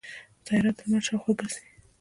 سیاره د لمر شاوخوا ګرځي.